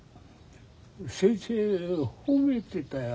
先生褒めてたよ。